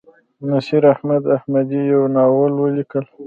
نصیراحمد احمدي یو ناول ولیک.